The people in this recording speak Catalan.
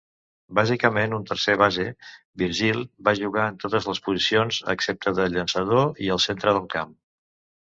Bàsicament un tercer base, Virgil va jugar en totes les posicions, excepte de llançador i al centre del camp.